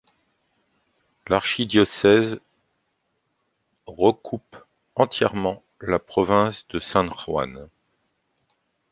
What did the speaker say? L'archidiocèse recoupe entièrement la province de San Juan.